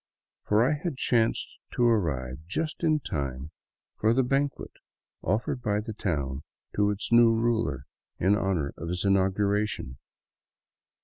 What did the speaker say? For I had chanced to arrive just in time for the " ban quet " offered by the town to its new ruler in honor of his inaugura tion.